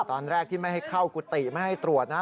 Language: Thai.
ตอนแรกที่ไม่ให้เข้ากุฏิไม่ให้ตรวจนะ